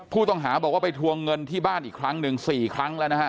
ผู้ต้องหาบอกว่าไปทวงเงินที่บ้านอีกครั้งหนึ่ง๔ครั้งแล้วนะฮะ